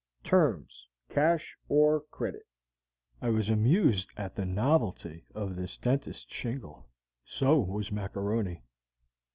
TERMS CASH or credit. I was amused at the novelty of this dentist's shingle; so was Mac A'Rony.